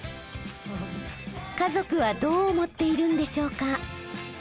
家族はどう思っているんでしょうか？